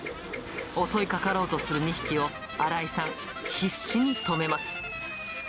襲いかかろうとする２匹を、荒井さん、必死に止めます。